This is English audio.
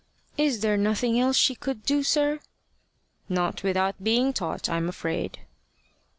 "Is there nothing else she could do, sir?" "Not without being taught, I'm afraid."